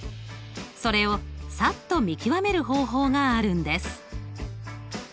それをさっと見極める方法があるんです。